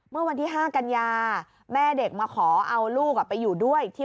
เมื่อวันที่๕กันยาแม่เด็กมาขอเอาลูกไปอยู่ด้วยที่